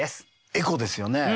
エコですよね。